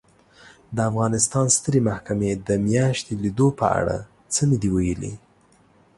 د افغانستان سترې محکمې د میاشتې لیدو په اړه څه نه دي ویلي